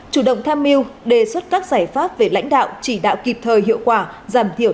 chủ động tham mưu đề xuất các giải pháp về lãnh đạo chỉ đạo kịp thời hiệu quả giảm thiểu